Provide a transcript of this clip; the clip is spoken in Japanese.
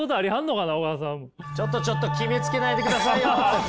ちょっとちょっと決めつけないでくださいよ！